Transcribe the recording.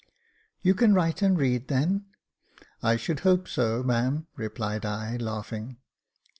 " You can write and read then ?" "I should hope so, ma'am," replied I, laughing.